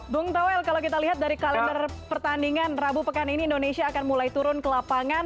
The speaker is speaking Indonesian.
bung tawel kalau kita lihat dari kalender pertandingan rabu pekan ini indonesia akan mulai turun ke lapangan